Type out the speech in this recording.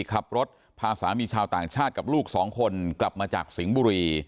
ขับรถพาสามีชาวต่างชาติกับลูกสองคนกลับมาจากสิงห์บุรี